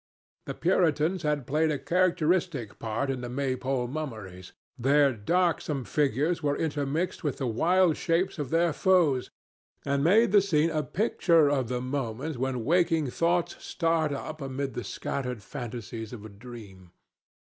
The Puritans had played a characteristic part in the Maypole mummeries. Their darksome figures were intermixed with the wild shapes of their foes, and made the scene a picture of the moment when waking thoughts start up amid the scattered fantasies of a dream.